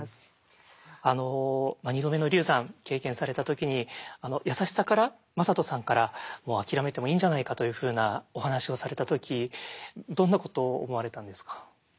あの２度目の流産経験された時に優しさから魔裟斗さんから「もう諦めてもいいんじゃないか」というふうなお話をされた時どんなことを思われたんですか？